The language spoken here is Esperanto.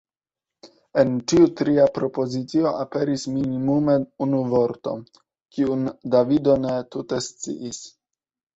En ĉiu tria propozicio aperis minimume unu vorto, kiun Davido tute ne sciis.